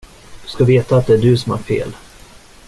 Du ska veta att det är du som har fel.